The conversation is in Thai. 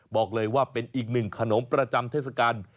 บอกเลยว่าเป็นอีกหนึ่งขนมประจำเทศกาล